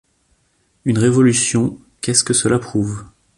Une révolution, qu’est-ce que cela prouve?